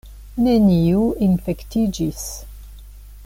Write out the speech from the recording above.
Neniu infektiĝis!